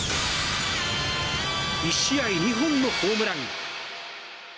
１試合２本のホームラン。